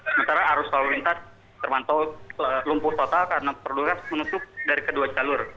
sementara arus lalu lintas terpantau lumpuh total karena perluas menutup dari kedua jalur